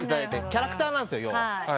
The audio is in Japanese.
キャラクターなんですよ要は。